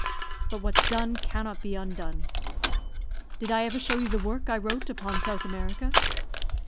But what's done cannot be undone. Did I ever show you the work I wrote upon South America?"